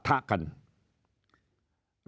ระหว่างเจ้าหน้าที่รัฐกับพระสงฆ์